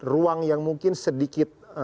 ruang yang mungkin sedikit